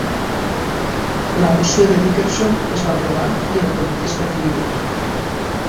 La moció de Dickerson es va aprovar i el comitè es va dividir.